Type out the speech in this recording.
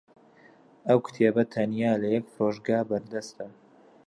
ئەو کتێبە تەنیا لە یەک فرۆشگا بەردەستە.